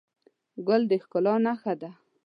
ګل د ښکلا نښه ده.